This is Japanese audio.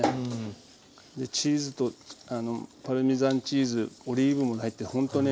チーズとパルメザンチーズオリーブも入ってほんとね